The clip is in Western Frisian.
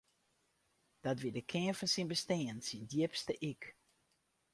Dat wie de kearn fan syn bestean, syn djipste ik.